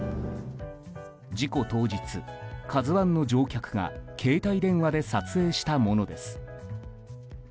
事故当日「ＫＡＺＵ１」の乗客が携帯電話で撮影したものです。